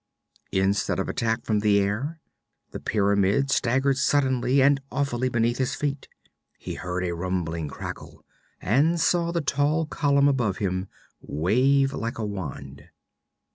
Instead of attack from the air, the pyramid staggered suddenly and awfully beneath his feet. He heard a rumbling crackle and saw the tall column above him wave like a wand.